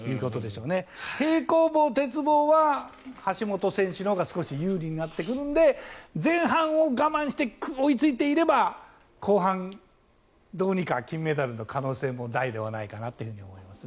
平行棒、鉄棒は橋本選手のほうが少し有利になってくるので前半を我慢して追いついていれば後半どうにか金メダルの可能性も大ではないかなと思います。